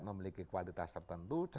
memiliki kualitas tertentu